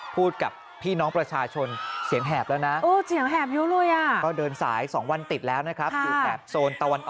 พูดกับพี่น้องประชาชนเสียงแหบแล้วนะ